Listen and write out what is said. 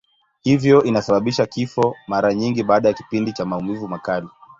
Hivyo inasababisha kifo, mara nyingi baada ya kipindi cha maumivu makali.